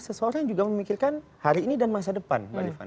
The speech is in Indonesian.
sesuatu yang juga memikirkan hari ini dan masa depan